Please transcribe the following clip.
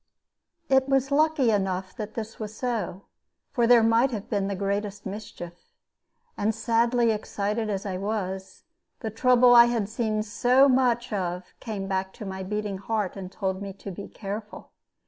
It was lucky enough that this was so, for there might have been the greatest mischief; and sadly excited as I was, the trouble I had seen so much of came back to my beating heart and told me to be careful.